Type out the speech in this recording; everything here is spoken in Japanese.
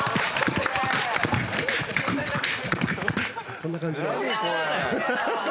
こんな感じの。